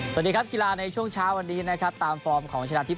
สวัสดีครับกีฬาในช่วงเช้าวันนี้นะครับตามฟอร์มของชนะทิพ